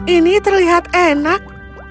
ini terlihat enak